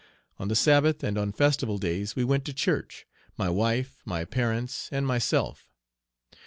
On the Sabbath and on festival days we went to church, my wife, my parents, and myself.